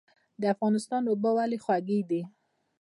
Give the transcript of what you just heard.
د افغانستان اوبه ولې خوږې دي؟